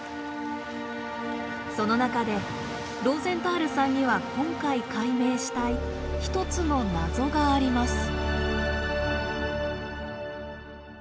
その中でローゼンタールさんには今回解明したい一つの謎があります。